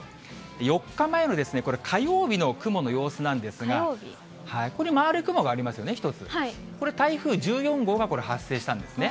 ４日前の火曜日の雲の様子なんですが、これ、丸い雲がありますよね、１つ、これ、台風１４号がこれ、発生したんですね。